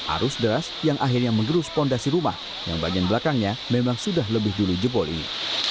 arus deras yang akhirnya mengerus fondasi rumah yang bagian belakangnya memang sudah lebih dulu jebol ini